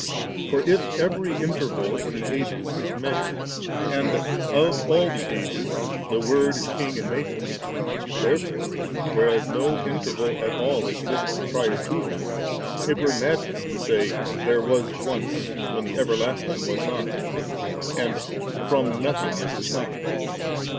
For if every interval in the ages is measured, and of all the ages the Word is King and Maker, therefore, whereas no in tervd at all exists prior to Him*, it were mad ness to say, * There was once when the Ever lasting was not,' and *From nothing is the Son.